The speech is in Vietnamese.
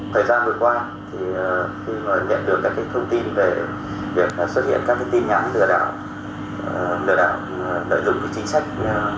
thời gian vừa qua thì nhận được các thông tin về việc xuất hiện các tin nhắn lừa đảo lừa đảo lợi dụng chính sách